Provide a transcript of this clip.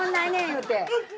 言うて。